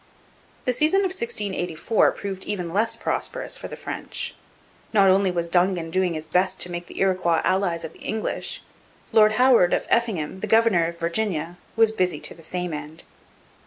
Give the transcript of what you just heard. The season of 1684 proved even less prosperous for the French. Not only Dongan was doing his best to make the Iroquois allies of the English; Lord Howard of Effingham, the governor of Virginia, was busy to the same end.